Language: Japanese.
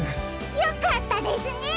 よかったですね！